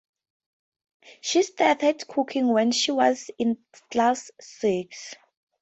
She started cooking when she was in Class Six.